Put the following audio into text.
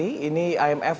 imf akan menunjukkan